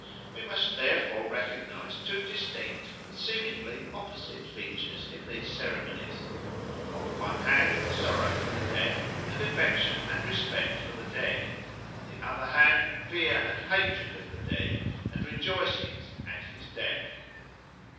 We must therefore recognise two distinct and seemingly opposite features in these ceremonies: on the one hand, sorrow for the death, and affection and respect for the dead; on the other hand, fear and hatred of the dead, and rejoicings at his death.